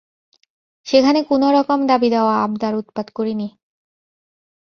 সেখানে কোনোরকম দাবিদাওয়া আবদার উৎপাত করি নি।